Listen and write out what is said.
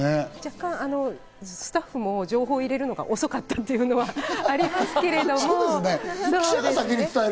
若干スタッフも情報を入れるのが遅かったっていうのはありますけど。